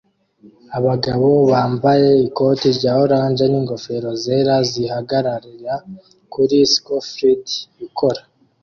Abagabo bambaye ikoti rya orange n'ingofero zera zihagarara kuri scafolds ikora